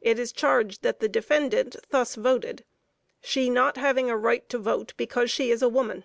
It is charged that the defendant thus voted, she not having a right to vote because she is a woman.